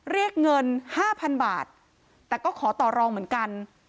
เรียกเงินห้าพันบาทแต่ก็ขอต่อรองเหมือนกัน